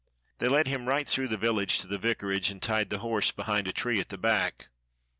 They led him right through the village to the vicar age, and tied the horse behind a tree at the back.